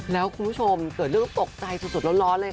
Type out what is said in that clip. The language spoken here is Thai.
แล้วคุณผู้ชมเกิดเรื่องตกใจสุดร้อนเลยค่ะ